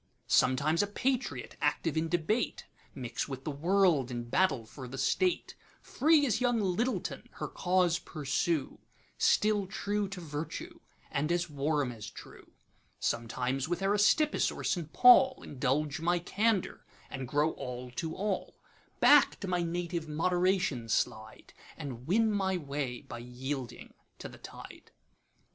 Sometimes a patriot, active in debate, Mix with the world, and battle for the state; Free as young Lyttleton, her cause pursue, Still true to Virtue, and as warm as true:Sometimes with Aristippus or St. Paul, Indulge my candour, and grow all to all; Back to my native Moderation slide, And win my way by yielding to the tide.